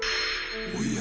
おや？